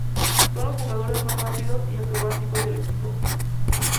Son los jugadores más rápidos y acrobáticos del equipo.